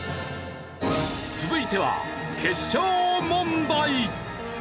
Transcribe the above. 続いては決勝問題！